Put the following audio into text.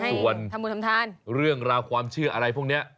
ส่วนเรื่องราวความเชื่ออะไรพวกนี้